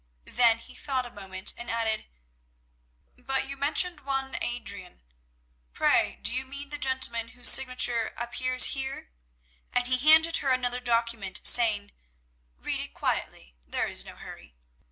Then he thought a moment and added, "But you mentioned one Adrian. Pray do you mean the gentleman whose signature appears here?" and he handed her another document, saying, "Read it quietly, there is no hurry.